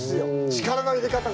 力の入れ方が。